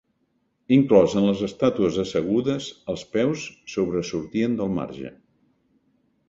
Inclòs en les estàtues assegudes els peus sobresortien del marge.